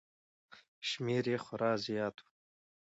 شمېر یې خورا زیات و